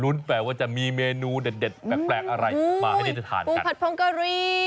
รุนแปลว่าจะมีเมนูเด็ดแปลกอะไรมาให้ได้ทานกัน